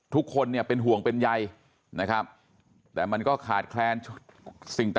ทุกคนเนี่ยเป็นห่วงเป็นใยนะครับแต่มันก็ขาดแคลนสิ่งต่าง